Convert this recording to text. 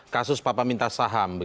kasus papa minta saham